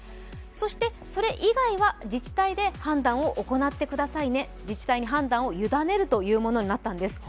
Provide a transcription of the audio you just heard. そしてそれ以外は自治体で判断を行ってくださいね、自治体に判断を委ねるというものになったんです。